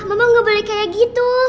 mama gak boleh kaya gitu